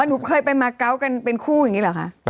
หนูเคยไปมาเกาะกันเป็นคู่อย่างนี้เหรอคะ